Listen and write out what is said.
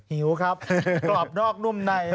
หิวครับกรอบนอกนุ่มใน